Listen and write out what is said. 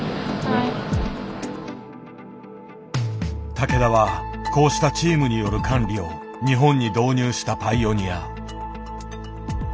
竹田はこうしたチームによる管理を日本に導入したパイオニア。